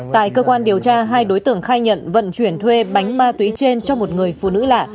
tại cơ quan điều tra hai đối tượng khai nhận vận chuyển thuê bánh ma túy trên cho một người phụ nữ lạ